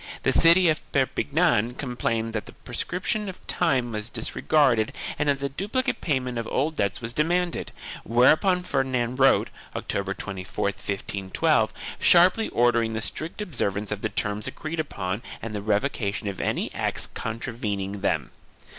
The city of Perpignan complained that the prescription of time was disregarded and that the duplicate payment of old debts was demanded, whereupon Ferdinand wrote, October 24, 1512, sharply ordering the strict observance of the terms agreed upon and the revocation of any acts contravening them.